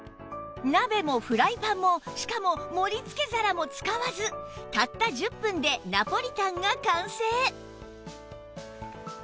鍋もフライパンもしかも盛り付け皿も使わずたった１０分でナポリタンが完成！